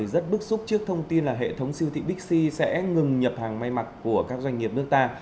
rất bức xúc trước thông tin là hệ thống siêu thị bixi sẽ ngừng nhập hàng may mặc của các doanh nghiệp nước ta